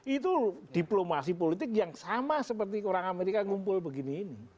itu diplomasi politik yang sama seperti orang amerika ngumpul begini ini